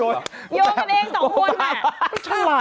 โยนกันเองสองคนแหละ